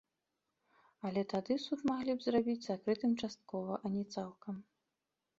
Але тады суд маглі б зрабіць закрытым часткова, а не цалкам.